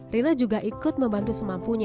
rina juga ikut membantu semampunya